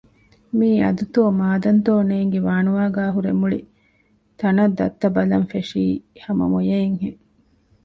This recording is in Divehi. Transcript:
މިއީ އަދުތޯ މާދަންތޯ ނޭނގި ވާނުވާގައި ހުރެ މުޅި ތަނަށް ދައްތަ ބަލަން ފެށީ ހަމަ މޮޔައެއް ހެން